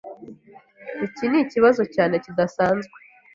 Iki nikibazo cyane, kidasanzwe.